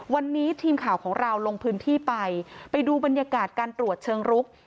วันนี้ทีมข่าวของเราลงพื้นที่ไปไปดูบรรยากาศการตรวจเชิงรุก